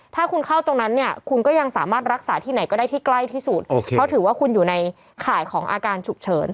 ถ้าคุณเข้าตรงนั้นเนี่ยคุณก็ยังสามารถรักษาที่ไหนก็ได้ที่ใกล้ที่สุดเพราะถือว่าคุณอยู่ในข่ายของอาการฉุกเฉิน